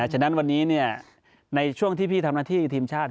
ฉะนั้นวันนี้ในช่วงที่พี่ทำหน้าที่ทีมชาติ